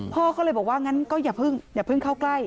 พ่อก็เลยบอกว่างั้นก็อย่าเพิ่งเข้าใกล้